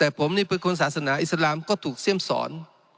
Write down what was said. แต่ผมนี่เป็นคนศาสนาอิสลามก็ถูกเสี่ยมสอน